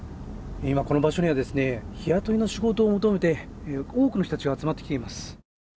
今、この場所には、日雇いの仕事を求めて多くの人たちが集まってきています。